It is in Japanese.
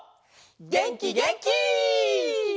げんきげんき！